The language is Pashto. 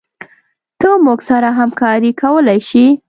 ته موږ سره همکارې کولي شي